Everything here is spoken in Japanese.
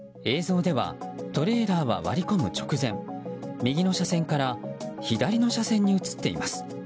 映像ではトレーラーは割り込む直前右の車線から左の車線に移っています。